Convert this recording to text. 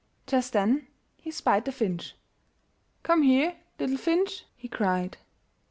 Just then he spied the finch. "Come here, little finch," he cried.